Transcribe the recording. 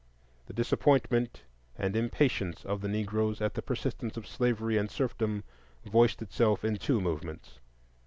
The disappointment and impatience of the Negroes at the persistence of slavery and serfdom voiced itself in two movements.